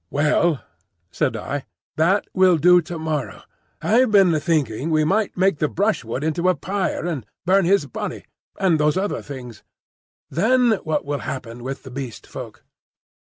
"Well," said I, "that will do to morrow. I've been thinking we might make the brushwood into a pyre and burn his body—and those other things. Then what will happen with the Beast Folk?"